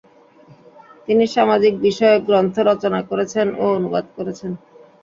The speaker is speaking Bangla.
তিনি সামাজিক বিষয়ক গ্রন্থ রচনা করেছেন ও অনুবাদ করেছেন।